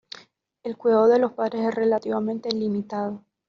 El cuidado de los padres es relativamente limitado.